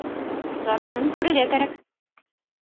Сараһын күрергә кәрәк.